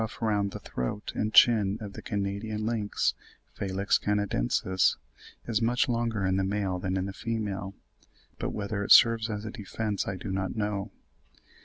The broad ruff round the throat and chin of the Canadian lynx (Felis canadensis) is much longer in the male than in the female; but whether it serves as a defence I do not know.